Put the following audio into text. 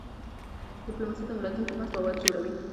ډيپلوماسي د ملتونو ترمنځ باور جوړوي.